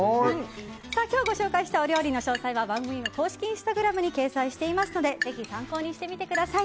今日ご紹介した料理の詳細は番組の公式インスタグラムに掲載していますのでぜひ参考にしてみてください。